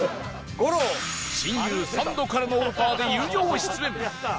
僕親友サンドからのオファーで友情出演